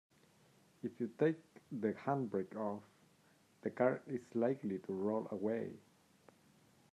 If you take the handbrake off, the car is likely to roll away